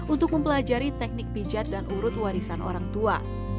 untuk mempelajari teknik pijat dan urut warisan orang tua